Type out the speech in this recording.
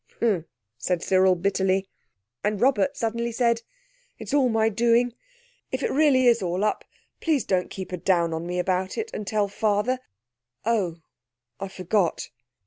"Humph," said Cyril bitterly. And Robert suddenly said— "It's all my doing. If it really is all up do please not keep a down on me about it, and tell Father—Oh, I forgot."